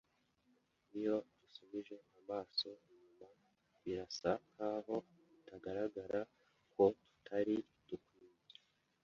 Iyo dusubije amaso inyuma, birasa nkaho bigaragara ko tutari dukwiye